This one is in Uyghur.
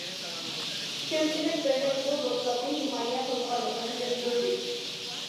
كۆپچىلىك بىردەك بۇ دوكلاتنى ھىمايە قىلىدىغانلىقىنى بىلدۈردى.